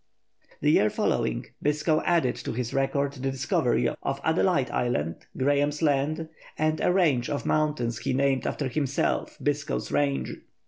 The year following Biscoe added to his record the discovery of Adelaide Island, Graham's Land, and a range of mountains he named after himself, Biscoe's Range.